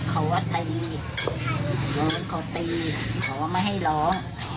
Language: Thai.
หลานผ่วนเนี่ยเขาว่าตีเขาว่ามาให้ร้อง